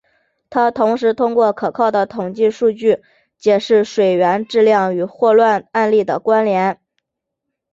他同时通过可靠的统计数据解释水源质量与霍乱案例的关联。